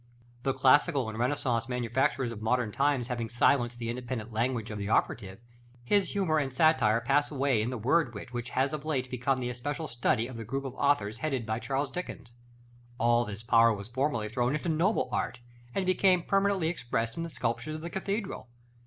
The classical and Renaissance manufacturers of modern times having silenced the independent language of the operative, his humor and satire pass away in the word wit which has of late become the especial study of the group of authors headed by Charles Dickens; all this power was formerly thrown into noble art, and became permanently expressed in the sculptures of the cathedral.